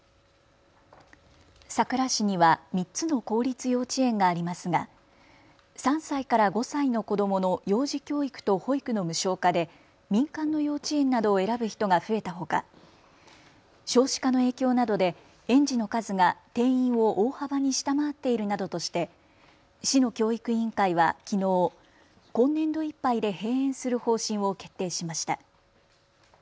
佐倉市には３つの公立幼稚園がありますが３歳から５歳の子どもの幼児教育と保育の無償化で民間の幼稚園などを選ぶ人が増えたほか少子化の影響などで園児の数が定員を大幅に下回っているなどとして市の教育委員会はきのう今年度いっぱいで閉園する方針を決定しました。